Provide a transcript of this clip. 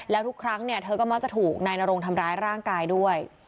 แล้วทุกครั้งเนี่ยเธอก็มักจะถูกนายนรงทำร้ายร่างกายด้วย